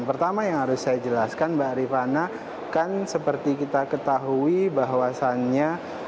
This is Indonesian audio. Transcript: pertama yang harus saya jelaskan mbak rifana kan seperti kita ketahui bahwasannya